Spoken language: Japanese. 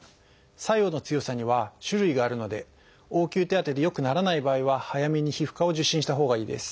作用の強さには種類があるので応急手当てでよくならない場合は早めに皮膚科を受診したほうがいいです。